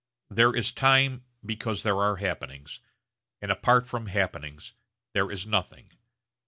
There is time because there are happenings, and apart from happenings there is nothing.